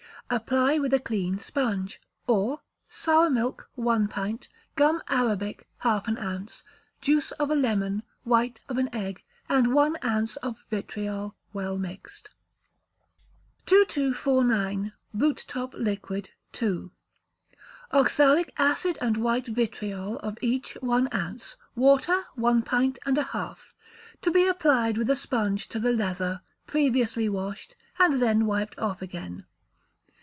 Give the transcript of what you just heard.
Apply with a clean sponge. Or, sour milk, one pint; gum arabic, half an ounce; juice of a lemon, white of an egg, and one ounce of vitriol, well mixed. 2249. Boot top Liquid (2). Oxalic acid and white vitriol, of each one ounce; water, one pint and a half. To be applied with a sponge to the leather, previously washed, and then wiped off again.